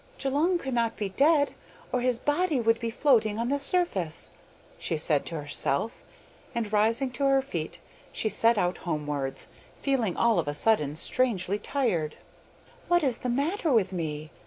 'Djulung cannot be dead, or his body would be floating on the surface,' she said to herself, and rising to her feet she set out homewards, feeling all of a sudden strangely tired. 'What is the matter with me?